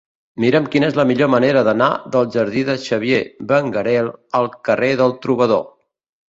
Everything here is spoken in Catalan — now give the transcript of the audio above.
Mira'm quina és la millor manera d'anar del jardí de Xavier Benguerel al carrer del Trobador.